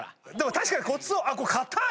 確かにコツをこれ硬い！